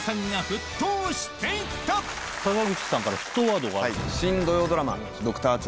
坂口さんから沸騰ワードがある。